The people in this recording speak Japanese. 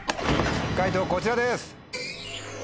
解答こちらです。